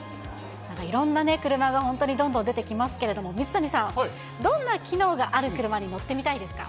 いろんなね、車が本当にどんどん出てきますけれども、水谷さん、どんな機能がある車に乗ってみたいですか？